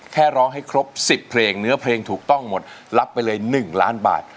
แค่ร้องให้ครบ๑๐เพลงเนื้อเพลงถูกต้องหมดรับไปเลย๑ล้านบาท